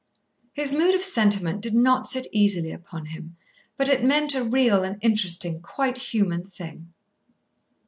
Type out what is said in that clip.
His mood of sentiment did not sit easily upon him, but it meant a real and interesting quite human thing.